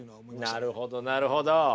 なるほどなるほど！